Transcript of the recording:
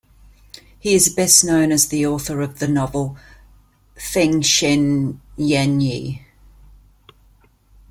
He is best known as the author of the novel "Fengshen Yanyi".